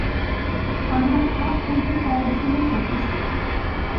আমার হাত উড়িয়ে দেওয়ার জন্য যথেষ্ট।